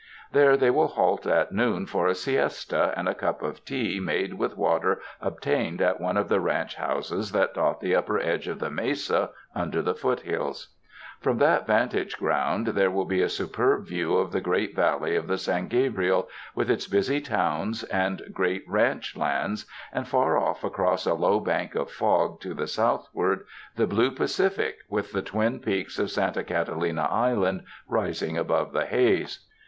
There they will halt at noon for a siesta, and a cup of tea made with water obtained at one of the ranch houses that dot the upper edge of the mesa under the foot hills. From that vantage ground there will be a superb view of the great valley of the San Gab riel with its busy towns and great ranch lands, and far off across a low bank of fog to the southward the blue Pacific with the twin peaks of Santa Catalina Island rising above the haze.